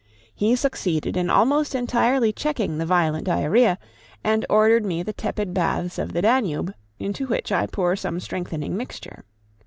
He succeeded in almost entirely checking the violent diarrhoea, and ordered me the tepid baths of the Danube, into which I pour some strengthening mixture.